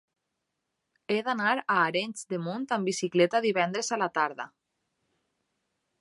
He d'anar a Arenys de Munt amb bicicleta divendres a la tarda.